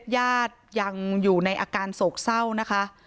ญาติยังอยู่ในอาการโศกเศร้านะคะ